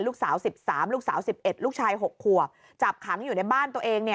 ลูกสาว๑๓ลูกสาว๑๑ลูกชาย๖ขวบจับขังอยู่ในบ้านตัวเอง